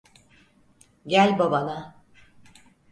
Gel babana.